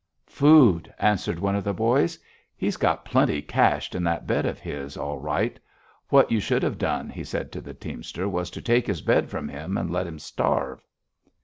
"Food!" answered one of the boys. "He's got plenty cached in that bed of his, all right. What you should have done," he said to the teamster, "was to take his bed from him and let him starve."